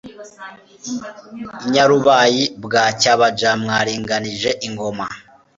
I Nyarubayi bwa CyabajaMwaringanije ingoma